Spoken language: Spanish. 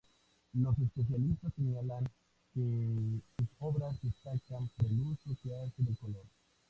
Los especialistas señalan que sus obras destacan por el uso que hace del color.